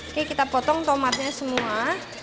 oke kita potong tomatnya semua